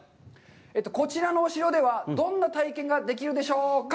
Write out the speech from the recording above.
こちらのお城では、どんな体験ができるでしょうか？